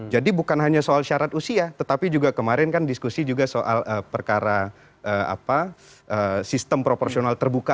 jadi bukan hanya soal syarat usia tetapi juga kemarin kan diskusi juga soal perkara apa sistem proporsional terbuka